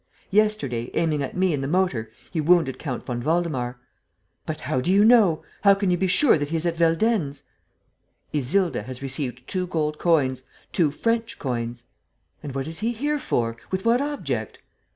Yesterday, aiming at me in the motor, he wounded Count von Waldemar." "But how do you know, how can you be sure that he is at Veldenz?" "Isilda has received two gold coins, two French coins!" "And what is he here for? With what object?"